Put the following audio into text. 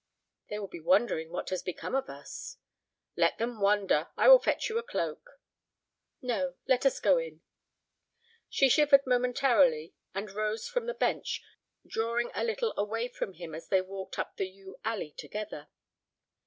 "They will be wondering what has become of us." "Let them wonder. I will fetch you a cloak." "No. Let us go in." She shivered momentarily and rose from the bench, drawing a little away from him as they walked up the yew alley together.